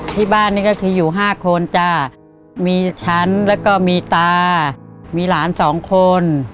ที่บ้านนี่ก็คืออยู่๕คนจ้ามีฉันแล้วก็มีตามีหลานสองคน